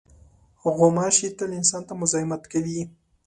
غوماشې تل انسان ته مزاحمت کوي.